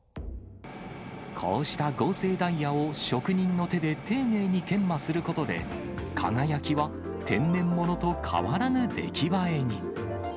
こうした合成ダイヤを職人の手で丁寧に研磨することで、輝きは天然物と変わらぬ出来栄えに。